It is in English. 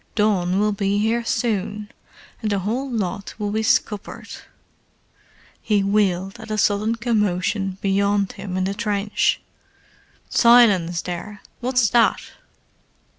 Dawn will be here soon, and the whole lot will be scuppered." He wheeled at a sudden commotion beyond him in the trench. "Silence there! What's that?"